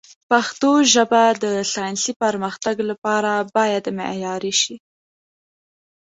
پښتو ژبه د ساینسي پرمختګ لپاره باید معیاري شي.